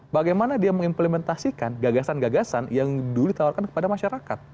bagaimana dia mengimplementasikan gagasan gagasan yang dulu ditawarkan kepada masyarakat